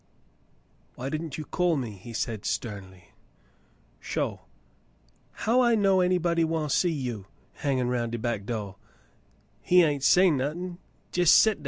"Why didn't you call me.^" he said sternly. "Sho — how I know anybody wan' see yo, hangin' 'roun' de back do' ^ He ain' say nuthin', jes' set dar."